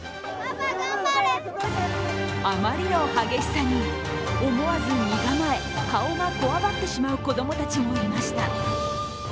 あまりの激しさに思わず身構え、顔がこわばってしまう子供たちもいました。